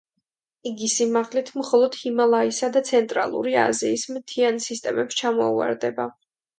იგი სიმაღლით მხოლოდ ჰიმალაისა და ცენტრალური აზიის მთიან სისტემებს ჩამოუვარდება.